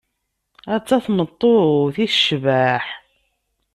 Atta tmeṭṭut i tecbeḥ!